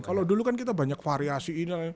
kalau dulu kan kita banyak variasi ini